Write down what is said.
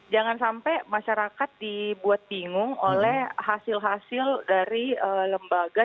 jangan sampai masyarakat dibuat bingung oleh hasil hasil dari lembaga